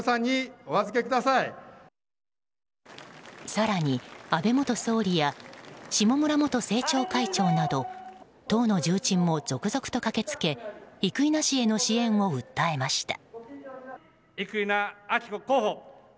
更に安倍元総理や下村元政調会長など党の重鎮も続々と駆け付け生稲氏への支援を訴えました。